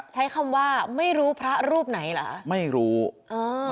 ใช้คำว่ามัยรู้พระรูปไหนล่ะไม่รู้อ่า